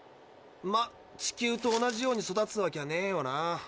ま地球と同じように育つわきゃねえよな。